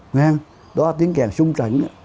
nghe không đó là tiếng kèm sung trận